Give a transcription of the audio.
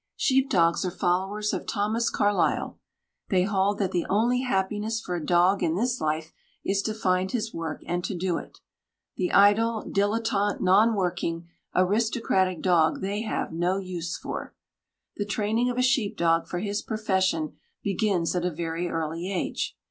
Sheep dogs are followers of Thomas Carlyle. They hold that the only happiness for a dog in this life is to find his work and to do it. The idle, 'dilettante', non working, aristocratic dog they have no use for. The training of a sheep dog for his profession begins at a very early age.